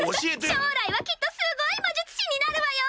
将来はきっとすごい魔術師になるわよ